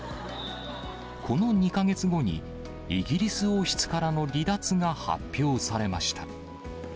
この２か月後に、イギリス王室からの離脱が発表されました。